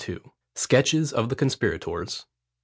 SKETCHES OF THE CONSPIRATORS.